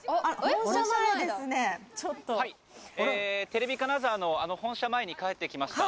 テレビ金沢の本社前に帰って来ました。